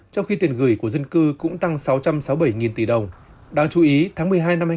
trong khi tiền gửi của dân cư cũng tăng sáu trăm sáu mươi bảy tỷ đồng đáng chú ý tháng một mươi hai năm hai nghìn hai mươi